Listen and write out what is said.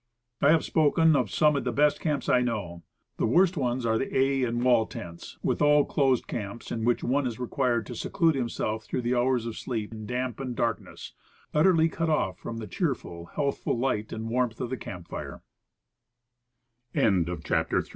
I have spoken of some of the best camps I know. The worst ones are the A and wall tents, with all closed camps in which one is required to seclude himself through the hours of sleep in damp and dark ness, utterly cut off from the cheerful, healthful ligh